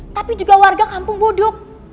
tapi juga warga kampung wuduk